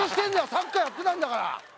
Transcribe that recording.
サッカーやってたんだから！